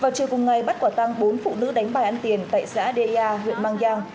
vào chiều cùng ngày bắt quả tăng bốn phụ nữ đánh bài ăn tiền tại xã dê huyện mang giang